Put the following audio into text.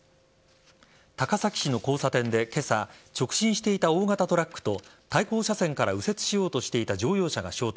高崎市の交差点で今朝直進していた大型トラックと対向車線から右折しようとしていた乗用車が衝突。